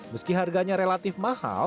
meski harganya relatif mahal